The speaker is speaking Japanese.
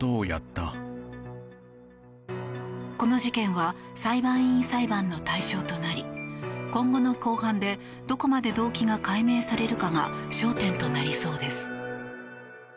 この事件は裁判員裁判の対象となり今後の公判でどこまで動機が解明されるかが焦点となりそうです。